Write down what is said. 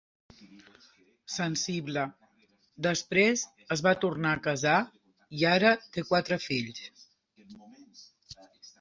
Sensible, després es va tornar a casar i ara té quatre fills.